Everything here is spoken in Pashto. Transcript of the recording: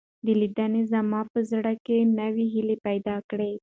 دې لیدنې زما په زړه کې نوې هیلې پیدا کړې.